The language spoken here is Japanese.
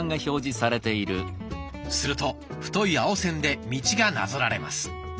すると太い青線で道がなぞられます。